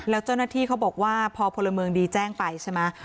แล้วเจ้าหน้าที่เขาบอกว่าพอพลเมืองดีแจ้งไปใช่ไหม